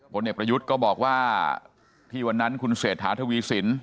ผลเอกประยุทธ์ก็บอกว่าที่วันนั้นคุณเศรษฐาทวีสิน